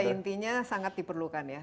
tapi pada intinya sangat diperlukan ya